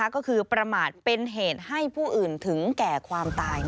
ก็คือประมาทเป็นเหตุให้ผู้อื่นถึงแก่ความตาย